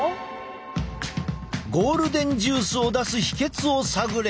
ゴールデンジュースを出す秘けつを探れ！